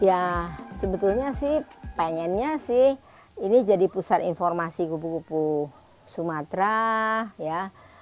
ya sebetulnya sih pengennya sih ini jadi pusat informasi kupu kupu sumatera ya